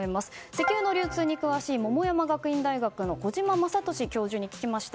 石油の流通に詳しい桃山学院大学の小嶌正稔教授に聞きました。